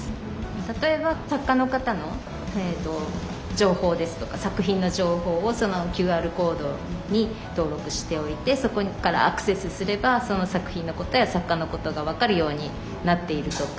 例えば作家の方の情報ですとか作品の情報をＱＲコードに登録しておいてそこからアクセスすればその作品のことや作家のことが分かるようになっているとか。